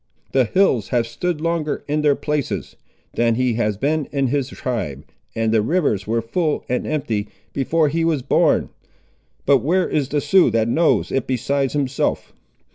The hills have stood longer in their places, than he has been in his tribe, and the rivers were full and empty, before he was born; but where is the Sioux that knows it besides himself?